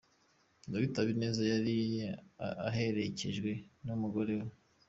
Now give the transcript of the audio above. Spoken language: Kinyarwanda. Dr Habineza yari aherekejwe n’ umugore we.